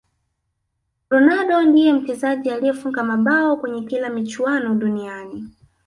ronaldo ndiye mchezaji aliyefunga mabao kwenye kila michuano duniani